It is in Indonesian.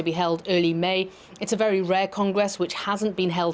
yang diharapkan diberi tanggapan pada bulan mei